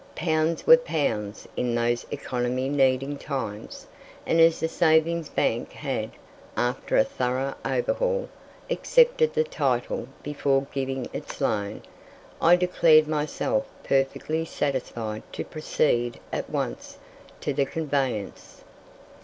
Pounds were pounds in those economy needing times, and as the Savings Bank had, after a thorough overhaul, accepted the title before giving its loan, I declared myself perfectly satisfied to proceed at once to the conveyance.